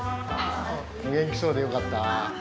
お元気そうでよかった。